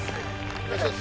お願いします！